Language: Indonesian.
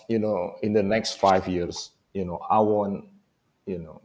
dalam lima tahun yang akan datang